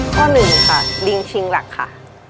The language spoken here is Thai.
ข้อหนึ่งค่ะลิงชิงหลักค่ะ